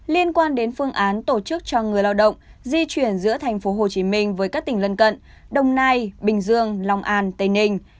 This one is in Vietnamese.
liên quan đến phương án tổ chức cho người lao động di chuyển giữa thành phố hồ chí minh với các tỉnh lân cận đồng nai bình dương lòng an tây ninh